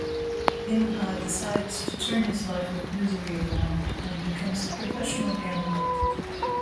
In-ha decides to turn his life of misery around and becomes a professional gambler.